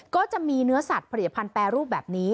ก็จะมีเนื้อสัตว์ผลิตภัณฑ์แปรรูปแบบนี้